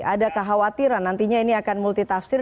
ada kekhawatiran nantinya ini akan multi tafsir